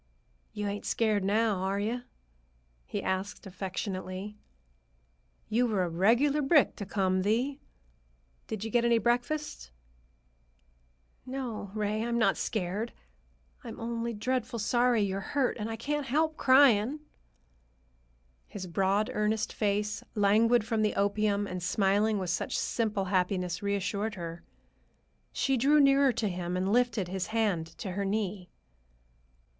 "You ain't scared now, are you?" he asked affectionately. "You were a regular brick to come, Thee. Did you get any breakfast?" "No, Ray, I'm not scared. Only I'm dreadful sorry you're hurt, and I can't help crying." His broad, earnest face, languid from the opium and smiling with such simple happiness, reassured her. She drew nearer to him and lifted his hand to her knee.